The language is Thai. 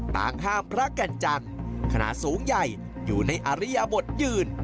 ต่างห้ามพระแก่นจันทร์ขนาดสูงใหญ่อยู่ในอริยบทยืน